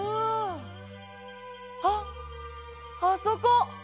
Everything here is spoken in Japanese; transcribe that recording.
あっあそこ！